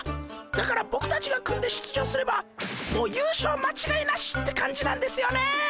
だからボクたちが組んで出場すればもう優勝間違いなしって感じなんですよね！